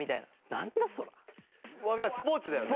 スポーツだよね？